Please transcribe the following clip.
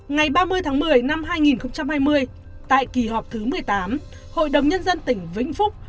ngày ba mươi tháng một mươi năm hai nghìn hai mươi tại kỳ họp thứ một mươi tám hội đồng nhân dân tỉnh vĩnh phúc